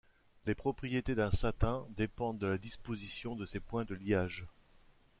Les propriétés d'un satin dépendent de la disposition de ses points de liages.